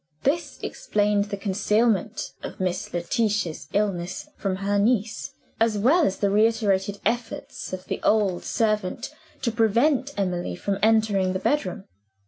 This explained the concealment of Miss Letitia's illness from her niece, as well as the reiterated efforts of the old servant to prevent Emily from entering the bedroom.